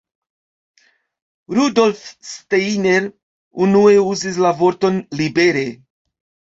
Rudolf Steiner unue uzis la vorton libere.